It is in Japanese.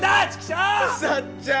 さっちゃん！！